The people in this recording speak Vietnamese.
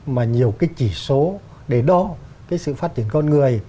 mà nhiều cái chỉ số để đo cái sự phát triển con người